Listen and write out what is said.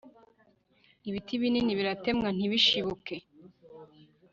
ibiti binini biratemwa ntibishibuke